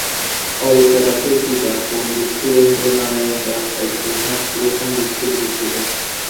অলকা দাশের পিতা পণ্ডিত সুরেন্দ্র নারায়ণ দাশ একজন শাস্ত্রীয় সঙ্গীতশিল্পী ছিলেন।